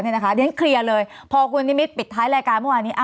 เดี๋ยวฉันเคลียร์เลยพอคุณนิมิตปิดท้ายรายการเมื่อวานนี้